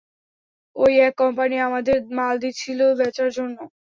ঐ এক কোম্পানি আমাদের মাল দিছিল, বেচার জন্য।